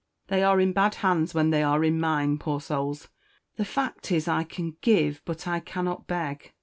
They are in bad hands when they are in mine, poor souls! The fact is, I can give, but I cannot beg.